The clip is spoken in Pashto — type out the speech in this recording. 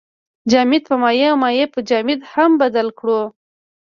جامد په مایع او مایع په جامد هم بدل کړو.